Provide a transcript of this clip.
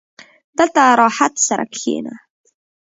• دلته راحت سره کښېنه.